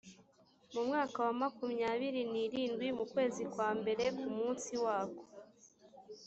mu mwaka wa makumyabiri n irindwi mu kwezi kwa mbere ku munsi wako